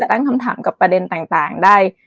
ตั้งคำถามกับประเด็นต่างได้